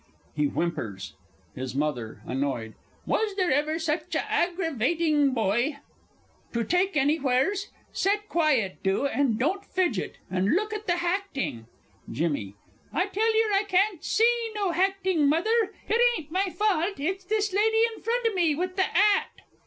[He whimpers. HIS MOTHER (annoyed). Was there ever such a aggravating boy to take anywheres! Set quiet, do, and don't fidget, and look at the hactin'! JIMMY. I tell yer I can't see no hactin', Mother. It ain't my fault it's this lady in front o' me, with the 'at.